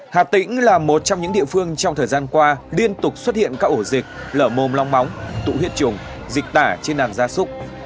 bệnh là một trong những địa phương trong thời gian qua liên tục xuất hiện các ổ dịch lở mồm long bóng tụ huyết chủng dịch tả trên đàn gia súc